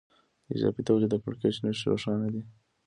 د اضافي تولید د کړکېچ نښې روښانه دي